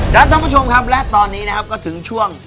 ท่านผู้ชมครับและตอนนี้นะครับก็ถึงช่วง